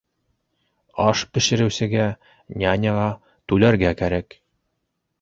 Аш бешереүсегә, няняға түләргә кәрәк.